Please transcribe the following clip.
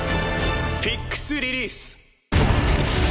フィックス・リリース。